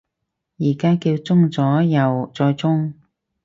而家叫中咗右再中